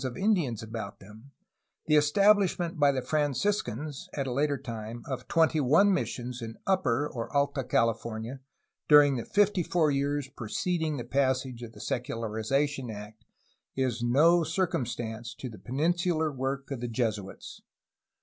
THE JESUITS IN BAJA CALIFORNIA, 1697 1768 181 Indians about them, the establishment by the Franciscans [at a later time] of twenty one missions in Upper [or Alta] California dm ing the fifty four years preceding the passage of the Seculari zation Act, is no circumstance to the peninsular work of the Jesuits.